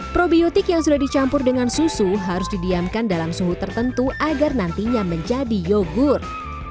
probiotik yang sudah dicampur dengan susu harus didiamkan dalam suhu tertentu agar nantinya menjadi yogurt